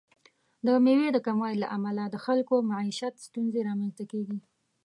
د میوې د کموالي له امله د خلکو د معیشت ستونزې رامنځته کیږي.